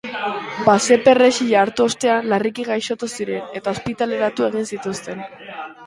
Basaperrexila hartu ostean, larriki gaixotu ziren eta ospitaleratu egin zituzten.